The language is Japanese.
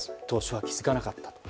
当初は気づかなかった。